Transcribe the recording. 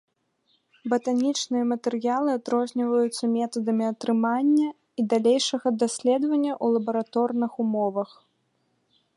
Батанічныя матэрыялы адрозніваюцца метадамі атрымання і далейшага даследавання ў лабараторных умовах.